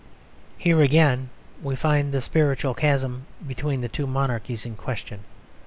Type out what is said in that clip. Here again we find the spiritual chasm between the two monarchies in question.